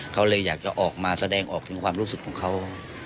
เขาเลยอยากจะออกมาแสดงออกถึงความรู้สึกของเขา